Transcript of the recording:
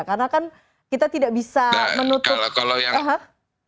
karena kan kita tidak bisa menutup